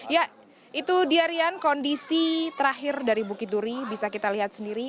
ya itu dia rian kondisi terakhir dari bukit duri bisa kita lihat sendiri